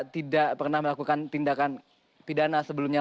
tidak pernah melakukan tindakan pidana sebelumnya